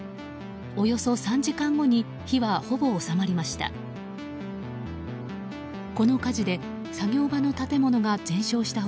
およそ３時間後に火はほぼ収まりました。